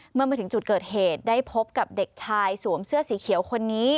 เมื่อมาถึงจุดเกิดเหตุได้พบกับเด็กชายสวมเสื้อสีเขียวคนนี้